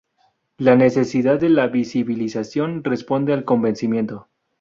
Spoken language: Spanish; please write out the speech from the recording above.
la necesidad de la visibilización responde al convencimiento